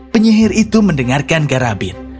penyihir itu mendengarkan garabin